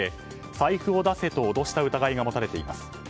財布を出せと脅した疑いが持たれています。